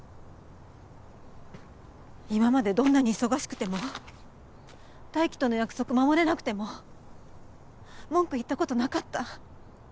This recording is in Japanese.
今までどんなに忙しくても泰生との約束守れなくても文句言ったことなかった。